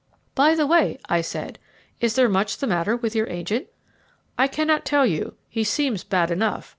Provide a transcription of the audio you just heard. "By the way," I said, "is there much the matter with your agent?" "I cannot tell you; he seems bad enough.